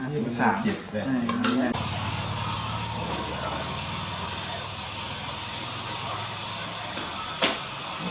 อ่านี่มันขึ้นเข็ดเลยใช่ครับ